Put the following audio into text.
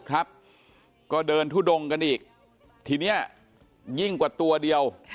ก็เดินทุดงกันอีกทีนี้ยิ่งกว่าตัวเดียว